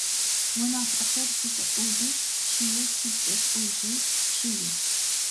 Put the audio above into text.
УнапӀэхэр зэтеӀуби, чъые сицӀыкӀужъый, чъые.